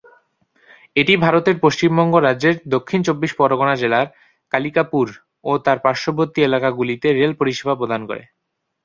এটি ভারতের পশ্চিমবঙ্গ রাজ্যের দক্ষিণ চব্বিশ পরগনা জেলার কালিকাপুর ও তার পার্শ্ববর্তী এলাকাগুলিতে রেল পরিষেবা প্রদান করে।